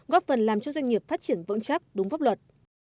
góp phần làm cho doanh nghiệp phát triển vững chắc đúng pháp luật